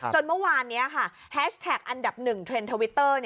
เมื่อวานนี้ค่ะแฮชแท็กอันดับ๑เทรนด์ทวิตเตอร์